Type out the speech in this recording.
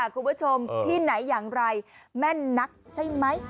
คุณผู้ชมที่ไหนอย่างไรแม่นนักใช่ไหม